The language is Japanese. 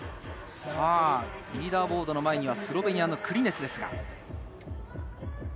リーダーボードの前にはスロベニアのクリネツです。